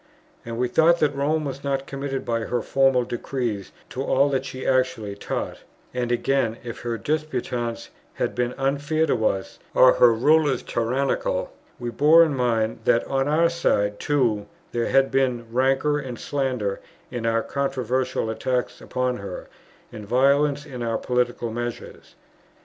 And we thought that Rome was not committed by her formal decrees to all that she actually taught: and again, if her disputants had been unfair to us, or her rulers tyrannical, we bore in mind that on our side too there had been rancour and slander in our controversial attacks upon her, and violence in our political measures.